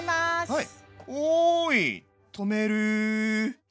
はい。